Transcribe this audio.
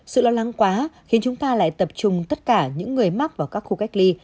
sự lo lắng quá khiến chúng ta lại tập trung tất cả những người mắc vào các khu cách ly